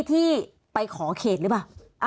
ที่ไปขอเขตหรือเปล่า